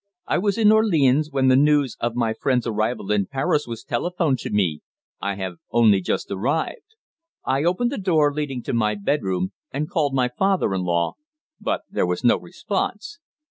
I was in Orleans when the news of my friend's arrival in Paris was telephoned to me I have only just arrived." I opened the door leading to my bedroom, and called my father in law, but there was no response.